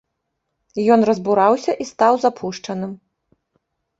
Ён разбураўся і стаў запушчаным.